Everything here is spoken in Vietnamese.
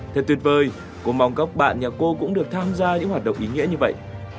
thật tuyệt vời cô mong các bạn nhà cô cũng được tham gia những hoạt động ý nghĩa như vậy